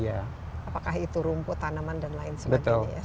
apakah itu rumput tanaman dan lain sebagainya ya